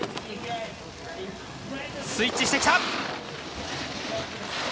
スイッチしてきた！